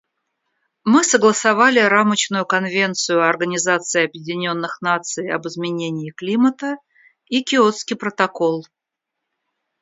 Мы согласовали Рамочную конвенцию Организации Объединенных Наций об изменении климата и Киотский протокол.